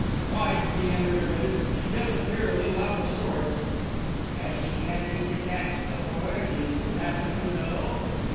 "Why," Leander admitted, "she does appear a little out of sorts." "Has she had these attacks before, do you happen to know?"